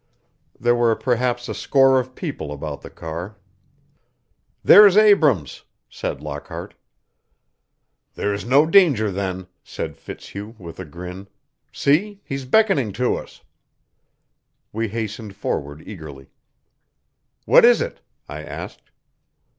There were perhaps a score of people about the car. "There's Abrams," said Lockhart. "There's no danger, then," said Fitzhugh with a grin. "See, he's beckoning to us." We hastened forward eagerly. "What is it?" I asked.